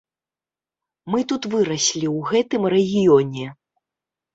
Мы тут выраслі ў гэтым рэгіёне.